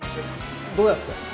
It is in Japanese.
どうやって？